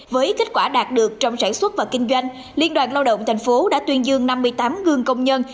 với kết quả đạt được trong sản xuất và kinh doanh liên đoàn lao động thành phố đã tuyên dương năm mươi tám gương công nhân